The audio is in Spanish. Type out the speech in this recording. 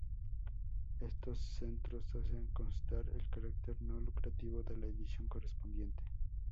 Estos centros hacen constar el carácter no lucrativo de la edición correspondiente.